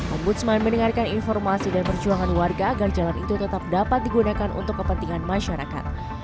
ombudsman mendengarkan informasi dan perjuangan warga agar jalan itu tetap dapat digunakan untuk kepentingan masyarakat